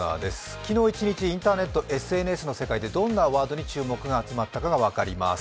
昨日一日、ＳＮＳ、インターネットの世界でどんなワードに注目が集まったかが分かります。